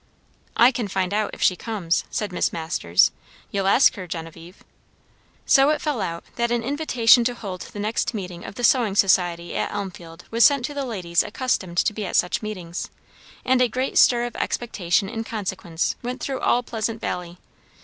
"I can find out, if she comes," said Miss Masters. "You'll ask her, Genevieve?" So it fell out that an invitation to hold the next meeting of the sewing society at Elmfield was sent to the ladies accustomed to be at such meetings; and a great stir of expectation in consequence went through all Pleasant Valley.